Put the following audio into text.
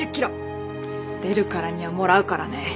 出るからにはもらうからね！